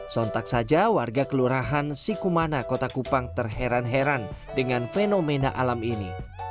sontak saja warga kelurahan sikumana kota kupang terheran heran dengan fenomena alam ini